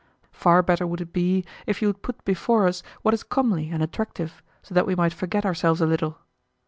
Far better would it be if you would put before us what is comely and attractive, so that we might forget ourselves a little."